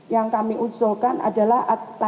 yang kami usulkan adalah